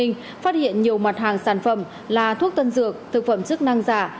phát hiện nhiều mặt hàng sản phẩm là thuốc tân dược thực phẩm chức năng giả